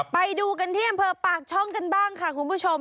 ไปดูกันที่อำเภอปากช่องกันบ้างค่ะคุณผู้ชม